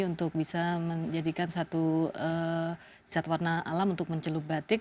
untuk bisa menjadikan satu cat warna alam untuk mencelup batik